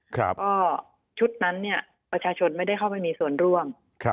ก็ชุดนั้นเนี่ยประชาชนไม่ได้เข้าไปมีส่วนร่วม